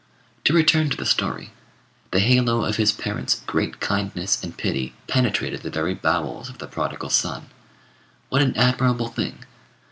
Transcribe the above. To return to the story: the halo of his parents' great kindness and pity penetrated the very bowels of the prodigal son. What an admirable thing!